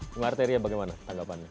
bang arteria bagaimana tanggapannya